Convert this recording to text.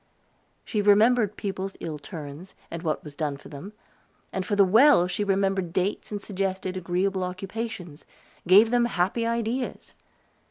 She remembered people's ill turns, and what was done for them; and for the well she remembered dates and suggested agreeable occupations gave them happy ideas.